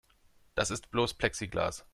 Das ist bloß Plexiglas.